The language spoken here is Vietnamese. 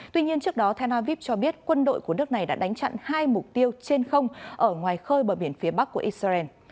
tuy nhiên trước đó tel aviv cho biết quân đội của nước này đã đánh chặn hai mục tiêu trên không ở ngoài khơi bờ biển phía bắc của israel